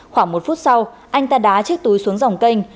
khoảng một phút sau anh ta đá chiếc túi xuống dòng canh